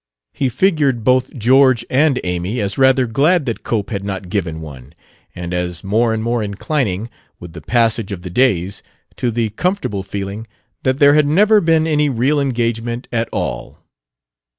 He figured both George and Amy as rather glad that Cope had not given one, and as more and more inclining, with the passage of the days, to the comfortable feeling that there had never been any real engagement at all.